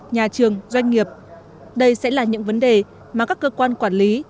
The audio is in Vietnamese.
nhà trường doanh nghiệp đây sẽ là những vấn đề mà các cơ quan quản lý